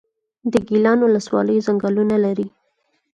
د ګیان ولسوالۍ ځنګلونه لري